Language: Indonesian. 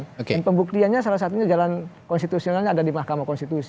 dan pembuktiannya salah satunya jalan konstitusionalnya ada di mahkamah konstitusi